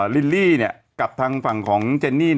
ลิลลี่กับทางฝั่งของเจนนี่